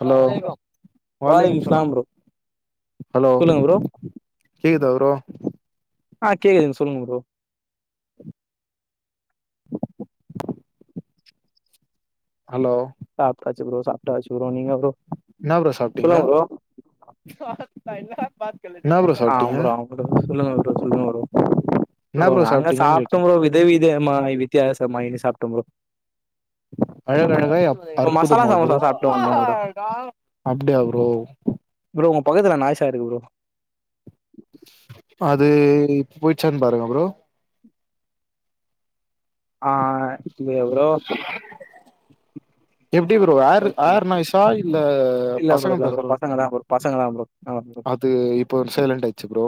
Hello அலாமலைக்கும் வாலைக்கும் சலாம் ஹலோ சொல்லுங்க ப்ரோ கேகுதா வ்ரோ ஆ கேக்குதுங்க சொல்லுங்க ப்ரோ [inaudible] ஹலோ சாப்ட்டாச்சு ப்ரோ சாப்ட்டாச்சு ப்ரோ நீங்க ப்ரோ சொல்லுங்க ப்ரோ [unintelligible] என்னா ப்ரோ சொ ஆம் ப்ரோ ஆம் ப்ரோ சொல்லுங்க ப்ரோ சொல்லுங்க ப்ரோ என்ன ப்ரோ நாங்க சாப்ட்டீங்கன்னு கேட்டே சாப்ட்டோம் ப்ரோ வித விதயமாய் வித்தியாசமாய்னு சாப்ட்டோ ப்ரோ அழகழகாய் அ ப்ரோ மசாலா அற்புதமா ப்ரோ சமோசா சாப்ட்டு வந்தோம் ப்ரோ அப்டியா ப்ரோ ப்ரோ உங்க பக்கத்துல நாய்சா இருக்கு ப்ரோ [inaudible] அது போயிச்சானு பாருங்க ப்ரோ ஆ இல்லயே ப்ரோ எப்டி ப்ரோ ஏர் ஏர் நாய்சா இல்ல இல்ல ப்ரோ பசங்க இல்ல ப்ரோ பேசுற அத் பசங்க தான் ப்ரோ பசங்க தான் ப்ரோ ஆமா ப்ரோ அது இப்போ சைலெண்ட் ஆய்டுச்சு ப்ரோ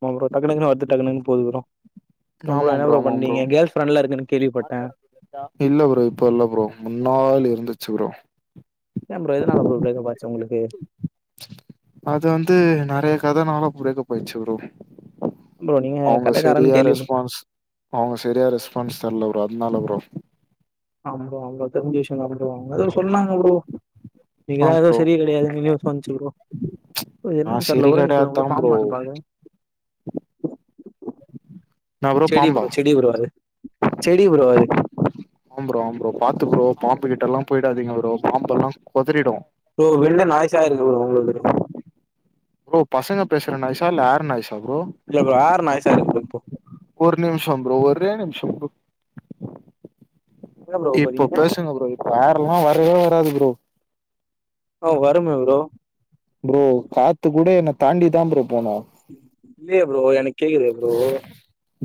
ஆமா ப்ரோ டக்கு டக்குனு வருது டக்கு டக்குனு போது ப்ரோ அப்றோ ப்ரோ என்ன ப்ரோ பண்ணீங்க கேர்ள் ஃப்ரெண்ட்லா இருக்குன்னு கேள்விப்பட்டே இல்ல ப்ரோ இப்ப இல்ல ப்ரோ முன்னால் இருந்துச்சு ப்ரோ ஏம் ப்ரோ எதனால ப்ரோ ப்ரேக்கப்பாச்சு உங்களுக்கு அது வந்து நெறைய கதனால ப்ரேக்கப்பாய்ச்சு ப்ரோ ப்ரோ நீங்க அவுங்க கதைக்காரன்னு செரியா கேள்வி ரெஸ்பான்ஸ் அவுங்க செரியா ரெஸ்பான்ஸ் தரல ப்ரோ அதனால ப்ரோ ஆம் ப்ரோ அவுங்க தெரிஞ்ச விஷயம்தா ப்ரோ அவங்க எதோ சொன்னாங்க ப்ரோ நீங்கதா ஆம் எதோ ப்ரோ செரி கெடையாதுனு நியூஸ் வன்ச்சு ப்ரோ நா என்னன்னு சரி தெர்ல ஒரே நிமிஷோ இருங்க ப்ரோ கிடையாதுதா கூட பாம்பான்னு பாக்கறே என்ன செடி பாம்பா ப்ரோ செடி ப்ரோ அது செடி ப்ரோ அது ஆம் ப்ரோ ஆம் ப்ரோ பாத்து ப்ரோ பாம்பு கிட்டெல்லா போயிடாதீங்க ப்ரோ பாம்பெல்லா கொதறிடு ப்ரோ வெளில நாய்ஸா இருக்கு ப்ரோ உங்களுக்கு. ப்ரோ பசங்க பேசுற நாய்சா இல்ல ஏர் நாய்சா ப்ரோ இல்ல ப்ரோ ஏர் நாய்சா இருக்கு ப்ரோ இப்போ ஒரு நிமிஷம் ப்ரோ ஒரே நிமிஷம் ப்ரோ எங்க ப்ரோ இப்போ போறீங்க? பேசுங்க ப்ரோ இப்ப ஏர்லா வரவே வராது ப்ரோ ஆ வருமே ப்ரோ ப்ரோ காத்து கூட என்ன தாண்டிதா ப்ரோ போணு இல்லையே ப்ரோ எனக்கு கேக்குதே ப்ரோ.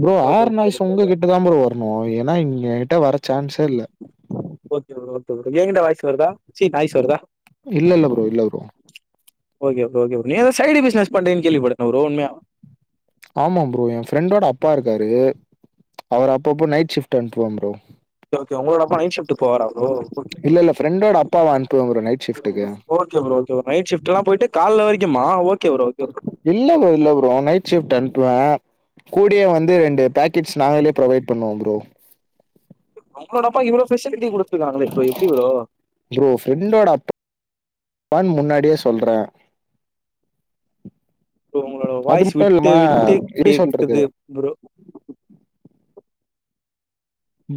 ப்ரோ ஓகே ஏர் ஓகே நாய்ஸ் ப்ரோ உங்க கிட் டதா ப்ரோ வரணு ஏன்னா இங்க எகிட்ட வர சான்ஸே இல்ல ஓகே ப்ரோ ஓகே ப்ரோ எங்கிட்ட வாய்ஸ் வருதா சீ நாய்ஸ் வருதா இல்லல்ல புரோ இல்ல bro okay bro okay bro நீ எதோ சைடு பிசினஸ் பண்றீங்கன் கேள்விபட்டனே புரோ உண்மயா ஆமா ப்ரோ என் ஃப்ரெண்டோட அப்பா இருக்காரு அவர் அப்பப்போ நைட் ஷிப்ட் அனுப்புவ ப்ரோ ஓகே ஓகே உங்ளோட அப்பா நைட் ஷிப்ட் போவாரா ப்ரோ ஓகே இல்ல, ப்ரோ இல்ல ஃப்ரெண்டோட அப்பாவ அனுப்புவேன் ப்ரோ நைட் ஷிஃப்ட்டுக்கு. ஒரு நைட் ஷிப்ட்லா போய்ட்டு கால்ல வரிக்குமா ஓகே புரோ இல்ல புரோ இல்ல புரோ நைட் ஷிப்ட் அன்ப்புவ கூடயே வந்து ரெண்டு பேக் கிட்ஸ் நாங்களே ப்ரொவைட் பண்ணுவோ ப்ரோ அவுங்களோட அப்பா இவ்ளோ ஃபெசிலிட்டி குடுத்துருக்காங்களே இப்ப எப்டி ப்ரோ புரோ ஃப்ரெண்டோட அப்பான் முன்னாடியே சொல்ற ப்ரோ உங்களோட அது வாய்ஸ் மட்டும் இல்லாம விட்டு விட்டு எப்படி சொல்றது? கேக்குது புரோ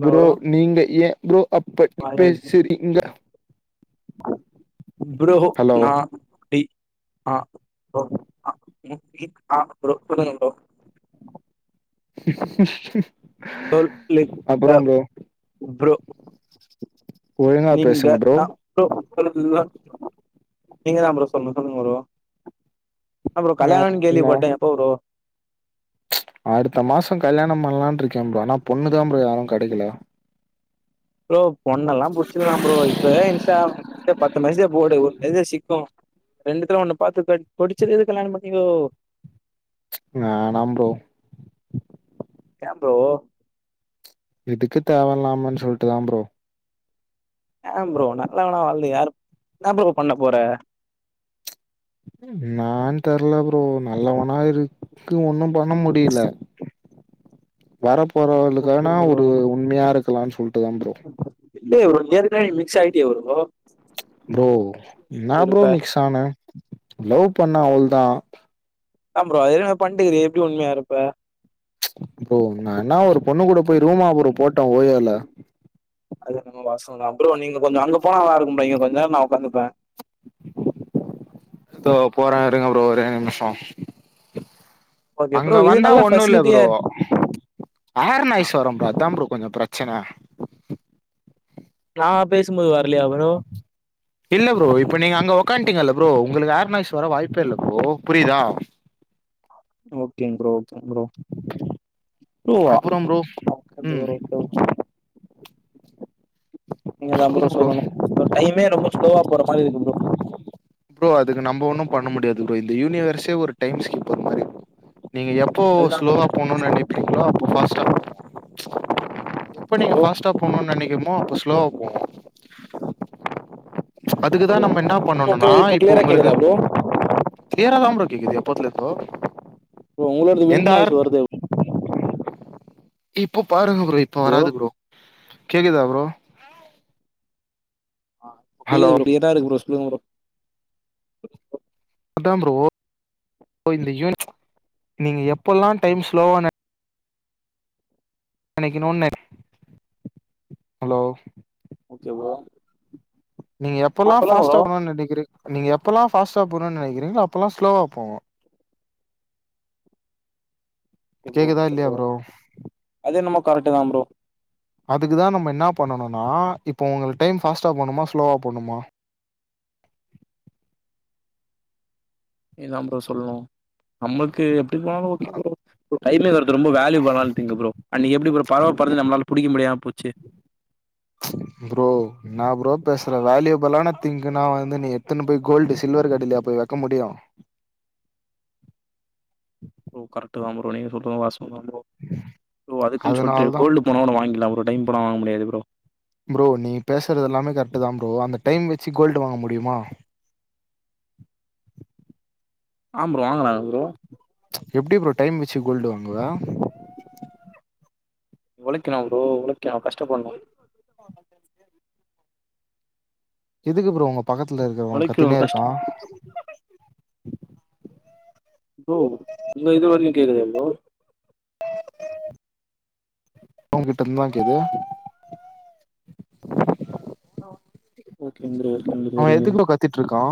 பு்ரோ ப்ரோ நீங்க ஏன் ப்ரோ அப்படி பேசுறீங்க புரோ ஹலோ, நா டி ஆ போ ஆ உ இ ஆ ப்ரோ சொல்லுங்க ப்ரோ சொல் லுங் க அப்புறம் ப்ரோ ப்ரோ ஒழுங்கா பேசுங்க ப்ரோ [unintelligible] நீங்கதா ப்ரோ சொல்ணு சொல்லுங்க ப்ரோ இன்னா புரோ அ கல்யாண நா கேள்விபட்ட எப்ப புரோ அடுத்த மாச கல்யாணம் பண்ணலான்ட் இருக்கே ப்ரோ ஆனா பொண்ணுதா ப்ரோ யாரு கெடைக்கல ப்ரோ பொண்ணெல்லா புடிச்க்லா ப்ரோ இப்பயே இன்ஸ்டா பத்து மெசேஜ் போடு ஒரு மேசேஜ் சிக்கு ரெண்டுத்துல ஒண்ணு பாத்து புடிச்சது எது கல்யாண பண்ணிக்கோ வேணா ப்ரோ ஏ புரோ எதுக்கு தேவ இல்லாமன் சொல்ட்டுதா ப்ரோ ஏன் ப்ரோ நல்லவனா வாழ்ந்து யாரு இன்னா ப்ரோ பண்ண போற நான் தெர்ல ப்ரோ நல்லவனா இருக்கு ஒன்னு பண்ண முடில வர ஓகே போறவளுக்கானா ப்ரோ ஒரு உண்மையா இருக்கலான் சொல்ட்டுதா ப்ரோ இல்லயே ப்ரோ நீ ஏற்கனவே மிக்ஸ் ஆய்ட்டியே ப்ரோ ப்ரோ இப்ப இன்னா ப்ரோ இருப்ப மிக்ஸ் ஆன லவ் பண்ண அவுள்தா அதா ப்ரோ ஏற்கனவே பண்ட்ருக்குறியே எப்படி உண்மையா இருப்ப ப்ரோ நா இன்னா ஒரு பொண்ணு கூட போய் ரூமா ப்ரோ போட்ட ஓய்யால அது என்னமோ வாஸ்தவதா ப்ரோ நீங்க கொஞ்சோ அங்க போனா நல்லாருக்கு புரோ இங்க கொஞ்சோ நேரம் நா ஒக்காந்துப்ப தோ போறே இருங்க ப்ரோ ஒரே நிமிஷ ஓகே ப்ரோ அங்க இது வந்தா நல்லா ஒன்னுல்ல ஃபெசிலிட்டியா ப்ரோ இருக்கு ஆர்ன் ஆ நாய்ஸ் வரு ப்ரோ அதா ப்ரோ கொஞ்சோ பிரச்சன நா பேசு போது வர்லயா ப்ரோ இல்ல ப்ரோ இப்ப நீங்க அங்க ஓக்கான்டீங்கல்ல ப்ரோ உங்களுக்கு ஆர்நாய்ஸ் வர வாய்ப்பே இல்ல ப்ரோ புரியுதா ஓகேங் ப்ரோ ஓகேங் ப்ரோ ப்ரோ அப்புறம் ப்ரோ ஓகே ம் ப்ரோ ஓகே ஓகே சொல்லுங்க ப்ரோ இப்ப டைமே ரொம்ப ஸ்லோவா போற மாரி இருக்கு ப்ரோ ப்ரோ அதுக்கு நம்ம ஒன்னு பண்ண முடியாது ப்ரோ இந்த யூனிவர்ஸே ஒரு டைம் ஸ்கீப்பர் மாரி நீங்க எப் எப்போ அதுதான் ப்ரோ ஸ்லோவா எனக்குமே போணுன் தெரிய மாட்டேங்குது நெனைப்பீங்களோ அப்போ ஃபாஸ்டா எப்ப நீங்க ப்ரோ ஃபாஸ்டா போணுன் நெனைக்குமோ அப்ப ஸ்லோவா போவு ஓகே அதுக்குதா ப்ரோ நம்ம என்னா இப்போ பண்ணணுனா க்ளி இப்போ இப்ப கிளியரா உங்களுக்கு கேக்குதா ப்ரோ கிளியராதா ப்ரோ கேக்குது எப்பத்துல இப்போ ப்ரோ உங்ளோடது வின்ட் நாய்ஸ் வருதே இப்போ பாருங்க ப்ரோ இப்ப வராது ப்ரோ கேக்குதா ப்ரோ ஆ ஹலோ கேக்குது ப்ரோ க்ளீரா இருக்கு ப்ரோ சொல்லுங்க ப்ரோ அதா ப்ரோ இந்த யூன் நீங்க எப்பல்லா டைம் ஸ்லோவா நினைக்குன்னுனே ஹலோ ஓகே வா நீங்க எப்பல்லா பாஸ்டா போன்னு நினைக்கிறீங்க எப்பெல்லா பாஸ்டா போன்னு நினைக்கிறீங்களோ அப்பெல்லா ஸ்லோவா போங்க ஓகே ப்ரோ கேக்குதா ஓகே இல்லயா ப்ரோ அது என்னமோ கரெக்டு தா ப்ரோ அதுக்கு தா நம்ம என்ன பண்ணணும்னா இப்போ உங்களுக்கு டைம் ஃபாஸ்டா போணுமா ஸ்லோவா போகணுமா நீ தா ப்ரோ சொல்லணு நம்மளுக்கு எப்டி போனாலு ஒகே ஒகே ப்ரோ டைமிங்கிறது ரொம்ப வேல்யூபிள் ஆன திங்க் ப்ரோ அன்னிக்கு எப்படி ப்ரோ பறவ பறந்து நம்பளால புடிக்க முடியாம போச்சு ப்ரோ என்ன ப்ரோ பேசுற வேல்யூபிளான திங்க்ன்னா வந்து நீ எத்துனு போய் கோல்டு சில்வர் கடையிலயா போய் வைக்க முடியு [unintelligible] ப்ரோ கரெக்ட் தா ப்ரோ நீங்க சொல்றது வாஸ்தவ தா ப்ரோ ப்ரோ அதுக்குனு சொல்ட்டு அதனாலதா கோல்டு போனா ஒன்னு வாங்கிக்கலா ப்ரோ டைம் போனா வாங்க முடியாது ப்ரோ ப்ரோ நீ பேசுறது எல்லாமே கரெக்ட் தா ப்ரோ அந்த டைம் வச்சு கோல்டு வாங்க முடியுமா ஆம் ப்ரோ வாங்கலா ப்ரோ எப்டி ப்ரோ டைம் வச்சு கோல்டு வாங்குவ உழைக்கணு ப்ரோ உழைக்கணு‌ கஷ்டபடணு ஆமா பிரண்ட்ஸ்க்கு எதுக்கு ப்ரோ உங்க பக்கத்துல இருக்குறவ உழைக்கணும் கத்தினே இருக்கா கஷ்டப்படணும் ப்ரோ இங்க இதுவரைக்கு கேக்குதா ப்ரோ அவுங்க கிட்ட இருந்துதா கேக்குது ஓகே ப்ரோ [unintelligible] திட்டுருக்கா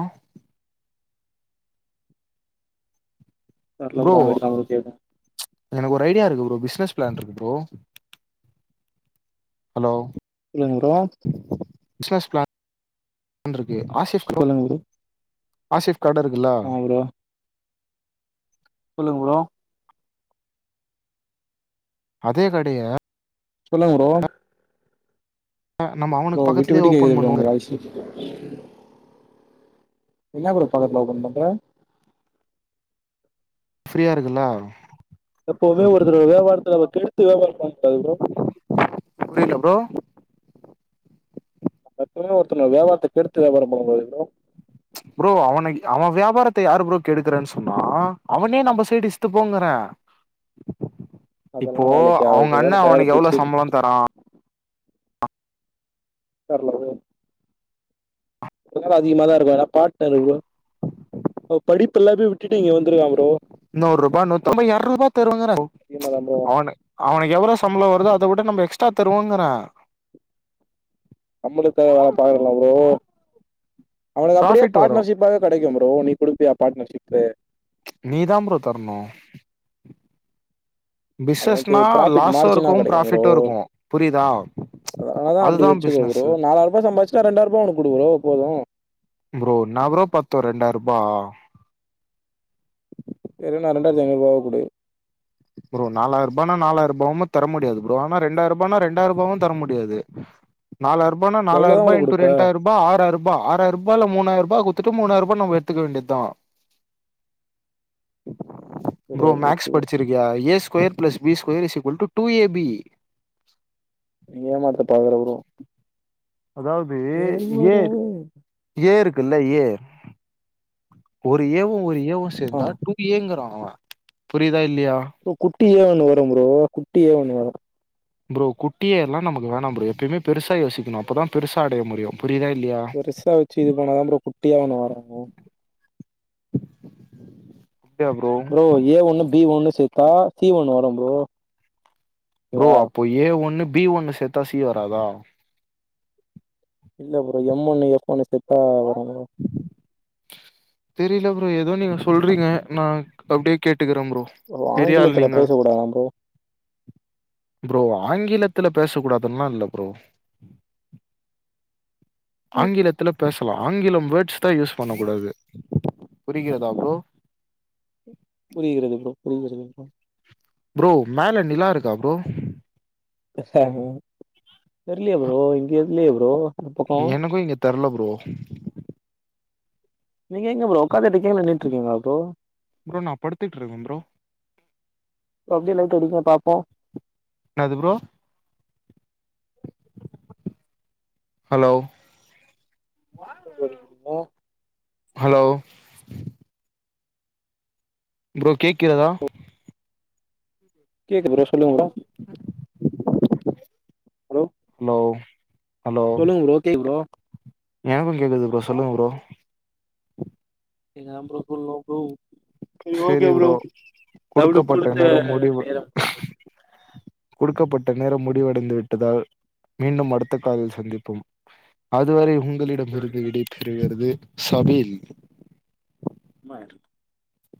வரல ப்ரோ [unintelligible] எனக்கு ஒரு ஐடியா இருக்கு ப்ரோ பிசினஸ் பிளான் இருக்கு ப்ரோ ஹலோ சொல்லுங்க ப்ரோ பிசினஸ் பிளான் இருக்கு ஆக்சிஸ் ப்ரோ ஆக்சிஸ் கார்டு இருக்குல்லா ஆமா ப்ரோ சொல்லுங்க ப்ரோ அதே கடைய சொல்லுங்க ப்ரோ நம்ம ப்ரோ அவனுக்கு விட்டு பக்கத்துலயே விட்டு கேக்குது ஓபன் ப்ரோ உங்க பண்ணுவோ வாய்ஸ்சு என்னா ப்ரோ [unintelligible] ஓப்பன் பண்ற ஃப்ரீயா இருக்குல எப்பவுமே ஒருத்தர்ரோட வியாபாரத்துல அவர கெடுத்து வியாபார பண்ண கூடாது ப்ரோ புரியில ப்ரோ எப்போதுமே ஒருத்தவங்க வியாபாரத்த கெடுத்து வியாபார பண்ணக்கூடாது ப்ரோ ப்ரோ அவனை அவ வியாபாரத்த யாரு ப்ரோ கெடுக்கறன்னு சொன்னா அவனே நம்ம சைடு இஸ்டுபோங்கற இப்போ அதெல்லா வேலைக்கு அவங்க ஆகாது அண்ண வேலைக்கு ஆகாத அவனுக்கு எவ்ளோ பேச்சு சம்பள தரா தெர்ல ப்ரோ வேல அதிகமா தா இருக்கு ஏனா பார்ட்னர் ப்ரோ அவ படிப்பு எல்லாமே விட்டுட்டு இங்க வந்துருக்கா ப்ரோ நூறு ரூபா நுத்தி ஒரு ரூபா அதிகமா தான் ப்ரோ அவ அவனுக்கு எவ்வுள சம்பள வருதோ நம்ப அத விட நம்ப எக்ஸ்ட்ரா தருவோங்கற சம்பளத்துக்காக வேல பாக்கல ப்ரோ அவனுக்கு அப்டியே ப்ராஃபிட் வரு பார்ட்னர்ஷிப் [unintelligible] கடைக்கு ப்ரோ நீ குடுப்பியா பார்ட்னர்ஷிப்பு நீ தா ப்ரோ தரணு உனக்கு பிசினஸ்னா பிராஃபிட் லாஸு மார்ஜினா இருக்கு கெடைக்கும் ப்ரோ ப்ராஃபிட்டு இருக்கு புரியுதா அதனால தா அப்படி அதுதா வெச்சிரு ப்ரோ பிசினஸு நாலாயிர ரூபா சம்பாதிச்ச இரண்டாயிர ரூபா அவனுக்கு குடு ப்ரோ போதும் ப்ரோ என்னா ப்ரோ பத்து ரெண்டாயிர ரூபா வேற என்ன இரண்டாயிரத்து ஐநூறு ரூவா குடு ப்ரோ நாலாயிர ரூபானா நாலாயிர ரூபாவும் தர முடியாது ப்ரோ ஆனா இரண்டாயிர ரூபானா இரண்டாயிர ரூபாவும் தர முடியாது நாலாயிர ரூபானா நாலாயிர எவ்வளோதான் ரூபா ப்ரோ இன் டூ குடுப்ப இரண்டாயிர ரூபா ஆறாயிர ரூபா ஆறாயிர ரூபால மூணாயிர ரூபா குடுத்துட்டு மூணாயிர ரூபா நம்ம எடுத்துக்க வேண்டியதா ப்ரோ சரியா போச்சு மேக்ஸ் ப்ரோ படிச்சிருக்கியா A square plus B square equal to two AB மூணா போட்டா எவ்ளோ ப்ரோ அதாவது ஏ வேற ஏ இருக்குல்ல ஏ ஒரு ஏவு ஒரு ஏவு ஆ சேர்ந்தா டூ டூ ஏங்கற அவன் புரிதா இல்லையா ப்ரோ குட்டி ஏ ஒன்னு வரும் ப்ரோ குட்டி ஏ ஒன்னு வரு ப்ரோ குட்டி ஏ எல்லா நமக்கு வேண ப்ரோ எப்பிமே பெருசா யோசிக்கணு அப்பதா பெருசா அடைய முடியும் புரிதா இல்லையா பெருசா வச்சு இது பண்ணாத ப்ரோ குட்டியா ஒன்னு வரு ப்ரோ ஏ ஒண்ணு பி ஒண்ணு சேர்த்தா சி ஒண்ணு வரும் ப்ரோ ப்ரோ ஓகேவா அப்போ ஏ ஒண்ணு பி ஒண்ணு சேர்த்தா சி வராதா இல்ல ப்ரோ எம் ஒண்ணு ஃப் ஒண்ணு சேத்தா வரு ப்ரோ தெரில ப்ரோ ஏதோ நீங்க சொல்றீங்க நா அப்டியே கேட்டுக்கிற ப்ரோ பெரிய ஆள் ஆங்கிலத்துல நீங்க பேசக்கூடாதாம் ப்ரோ ப்ரோ ஆங்கிலத்துல பேசக் கூடாதுன்ல்லா இல்ல ப்ரோ ஆங்கிலத்துல பேசலா ஆங்கிலம் வேர்ட்ஸ் தா யூஸ் பண்ணக்க கூடாது புரிகிறதா ப்ரோ புரிகிறது ப்ரோ புரிகிறது ப்ரோ ப்ரோ மேல நிலா இருக்கா ப்ரோ ஆமா தெர்லையே ப்ரோ இங்க எது இல்லையே ப்ரோ இந்த பக்கோ எனக்கு இங்க தெர்ல ப்ரோ நீங்க எங்க ப்ரோ உக்காந்துட்டு இருக்கீங்களா நின்னுட்டு இருக்கீங்களா ப்ரோ ப்ரோ நா படுத்துட்டு இருக்க ப்ரோ அப்டியே லைட் அடிங்க பாப்போ என்னாது ப்ரோ ஹலோ ஹலோ ப்ரோ கேக்கிறதா கேக்குது ப்ரோ சொல்லுங்க ப்ரோ ஹலோ ஹலோ சொல்லுங் ப்ரோ கேக்குது ப்ரோ எனக்கு கேக்குது ப்ரோ சொல்லுங் ப்ரோ என்னா ‌ப்ரோ சொல்லுங் ப்ரோ ம் ஓகே ப்ரோ நம்ளுக் குடுக்கப்பட்ட குடுத்த நேரம் [inaudible] கொடுக்கப்பட்ட நேரம் முடிவடைந்து விட்டதால் மீண்டும் அடுத்த காலில் சந்திப்போம் அதுவரை உங்களிடம் இது இருந்து வரைக்கு விடைபெறுகிறது சபில் [unintelligible]